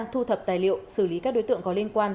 thu thập tài liệu xử lý các đối tượng có liên quan